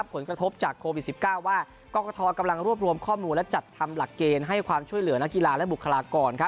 ผลกระทบจากโควิด๑๙ว่ากรกฐกำลังรวบรวมข้อมูลและจัดทำหลักเกณฑ์ให้ความช่วยเหลือนักกีฬาและบุคลากร